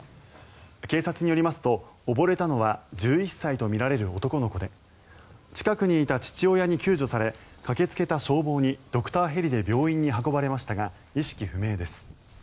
警察によりますと溺れたのは１１歳とみられる男の子で近くにいた父親に救助され駆けつけた消防にドクターヘリで病院に運ばれましたが意識不明です。